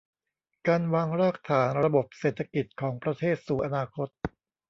การวางรากฐานระบบเศรษฐกิจของประเทศสู่อนาคต